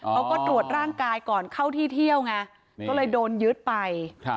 เขาก็ตรวจร่างกายก่อนเข้าที่เที่ยวไงก็เลยโดนยึดไป